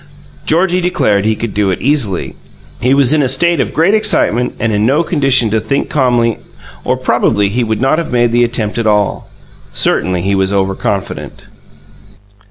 Georgie declared he could do it easily. He was in a state of great excitement and in no condition to think calmly or, probably, he would not have made the attempt at all. Certainly he was overconfident.